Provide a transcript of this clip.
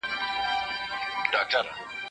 ازاد تفکر عام نه و.